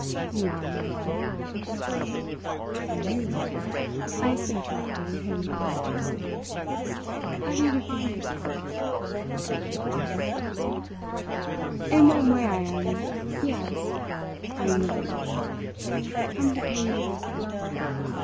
You are a man of the world." "And you?" Heyst interrupted him unexpectedly. "How do you define yourself?" "I, my dear sir? In one way I am yes, I am the world itself, come to pay you a visit.